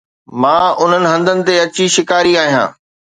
مان انهن هنڌن تي اچي شڪاري آهيان